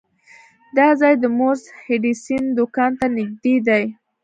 دا ځای د مورس هډسن دکان ته نږدې دی.